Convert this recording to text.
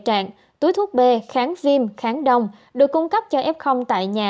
trạng túi thuốc b kháng viêm kháng đông được cung cấp cho f tại nhà